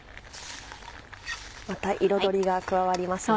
また彩りが加わりますね。